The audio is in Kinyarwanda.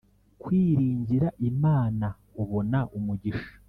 Kwiringira Imana ubona umugisha